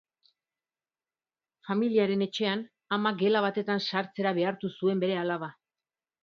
Familiaren etxean, amak gela batetan sartzera behartu zuen bere alaba.